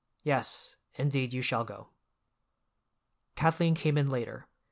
"Yes, indeed, you shall go." Kathleen came in later.